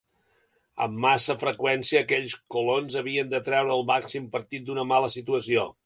Amb massa freqüència, aquells colons havien de treure el màxim partit d'una mala situació.